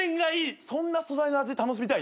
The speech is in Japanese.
そんな素材の味楽しみたい？